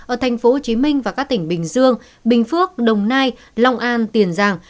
ở thành phố hồ chí minh và các tỉnh bình dương bình phước đồng nai long an tiền giang